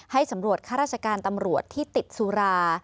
สำรวจข้าราชการตำรวจที่ติดสุรา